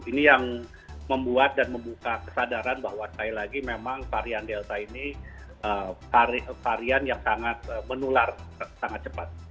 ini yang membuat dan membuka kesadaran bahwa sekali lagi memang varian delta ini varian yang sangat menular sangat cepat